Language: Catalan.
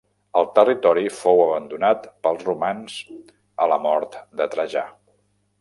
El territori fou abandonat pels romans a la mort de Trajà.